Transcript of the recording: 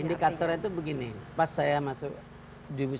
indikatornya itu begini saat saya sebelas dan saya jadi bupati